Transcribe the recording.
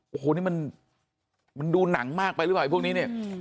โอ้โหนี่มันดูหนังมากไปหรือเปล่าไอพวกนี้เนี่ย